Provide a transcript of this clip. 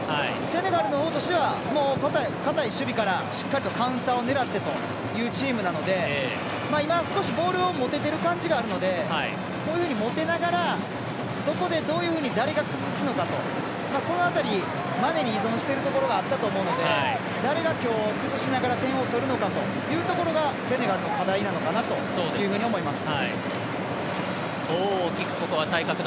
セネガルのほうとしては堅い守備からしっかりとカウンターを狙ってというチームなので今、少しボールを持ててる感じがあるのでこういうふうに持てながらどこでどういうふうに誰が崩すのかと、その辺りマネに依存しているところがあったと思うので誰が今日崩しながら点を取るのかというところがセネガルの課題なのかなというふうに思います。